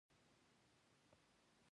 زه يې په لمانځه وليدم.